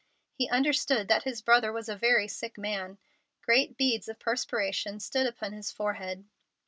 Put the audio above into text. He understood that his brother was a very sick man. Great beads of perspiration stood upon his forehead.